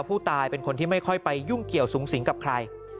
ผู้ตายเป็นคนที่ไม่ค่อยไปยุ่งเกี่ยวสูงสิงกับใคร